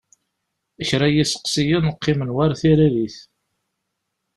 Kra n iseqsiyen qqimen war tiririt.